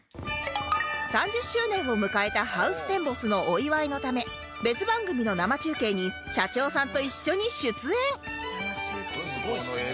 ３０周年を迎えたハウステンボスのお祝いのため別番組の生中継に社長さんと一緒に出演